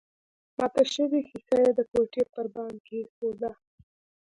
ماته شوې ښيښه يې د کوټې پر بام کېښوده